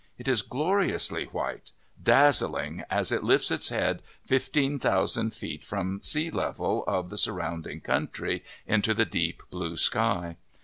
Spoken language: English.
It is gloriously white, dazzling, as it lifts its head fifteen thousand feet from the sea level of the sur rounding country into the deep blue sky.